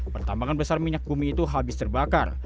pertambangan besar minyak bumi itu habis terbakar